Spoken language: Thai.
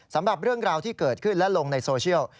สำหรับเรื่องราวที่เกิดขึ้นและลงในโซเชียล